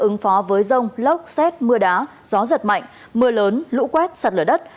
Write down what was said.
ứng phó với rông lốc xét mưa đá gió giật mạnh mưa lớn lũ quét sạt lở đất